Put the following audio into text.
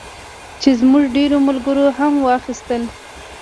چې زموږ ډېرو ملګرو هم واخیستل.